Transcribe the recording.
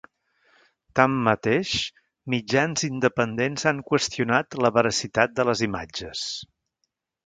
Tanmateix, mitjans independents han qüestionat la veracitat de les imatges.